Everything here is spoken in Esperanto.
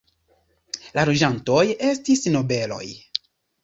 La loĝantoj estis nobeloj.